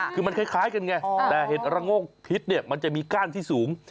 คือมันคล้ายกันไงแต่เห็ดระโงกพิษเนี่ยมันจะมีก้านที่สูง